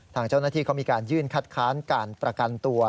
ทางเจ้าหน้าที่เขามีการยื่นคัดค้านการประกันตัว